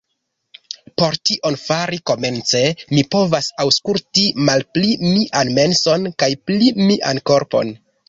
Por tion fari, komence mi povas aŭskulti malpli mian menson kaj pli mian korpon.